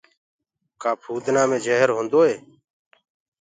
ڪآ ڀمڀڻيآنٚ مي جهر هوندو هي۔